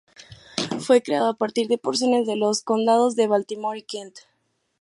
Fue creado a partir de porciones de los condados de Baltimore y Kent.